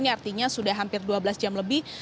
ini artinya sudah hampir dua belas jam lebih